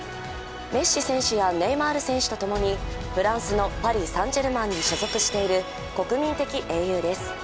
メッシ選手やネイマール選手とともにフランスのパリ・サン＝ジェルマンに所属している国民的英雄です。